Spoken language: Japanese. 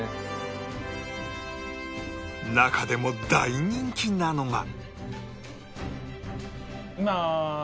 中でも大人気なのが